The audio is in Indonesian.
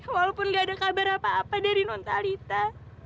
walaupun nggak ada kabar apa apa dari nontalita